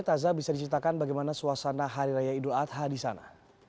taza bisa diceritakan bagaimana suasana hari raya idul adha di sana